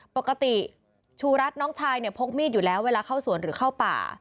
ปกติชูรัฐน้องชายเนี่ยพกมีดอยู่แล้วเวลาเข้าสวนหรือเข้าป่า